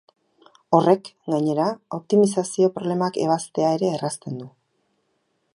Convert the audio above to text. Horrek, gainera, optimizazio problemak ebaztea ere errazten du.